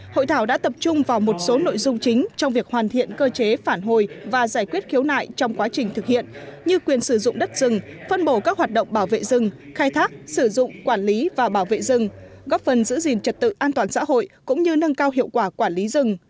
hội thảo đã tập trung vào một số nội dung chính trong việc hoàn thiện cơ chế phản hồi và giải quyết khiếu nại trong quá trình thực hiện như quyền sử dụng đất rừng phân bổ các hoạt động bảo vệ rừng khai thác sử dụng quản lý và bảo vệ rừng góp phần giữ gìn trật tự an toàn xã hội cũng như nâng cao hiệu quả quản lý rừng